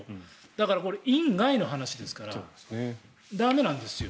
だから、院外の話ですから駄目なんですよ。